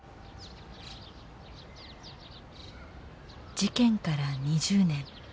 事件から２０年。